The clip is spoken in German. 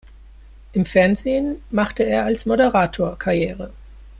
Im Fernsehen machte er als Moderator Karriere.